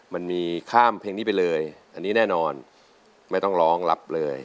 มันมีข้ามเพลงนี้ไปเลยอันนี้แน่นอนไม่ต้องร้องรับเลย